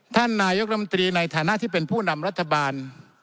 นายกรมตรีในฐานะที่เป็นผู้นำรัฐบาล